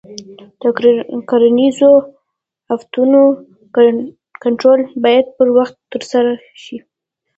د کرنیزو آفتونو کنټرول باید پر وخت ترسره شي.